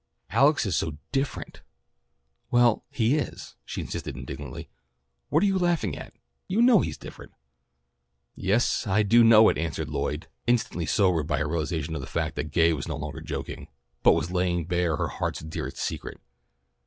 Alex is so different. Well, he is," she insisted indignantly. "What are you laughing at? You know he's different." "Yes, I do know it," answered Lloyd, instantly sobered by her realization of the fact that Gay was no longer joking, but was laying bare her heart's dearest secret.